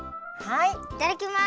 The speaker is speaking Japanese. いただきます！